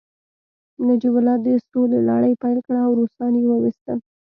نجیب الله د سولې لړۍ پیل کړه او روسان يې وويستل